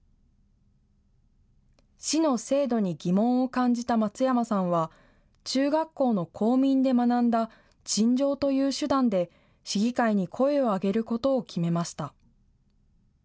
市の制度に疑問を感じた松山さんは、中学校の公民で学んだ陳情という手段で、市議会に声を上げることを決めました。